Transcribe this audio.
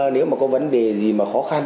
nếu mà có vấn đề gì mà khó khăn